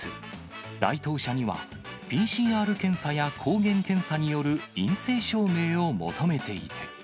来島者にはＰＣＲ検査や抗原検査による陰性証明を求めていて。